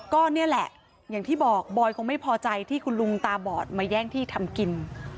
ก็นี่แหละอย่างที่บอกบอยคงไม่พอใจที่คุณลุงตาบอดมาแย่งที่ทำกิน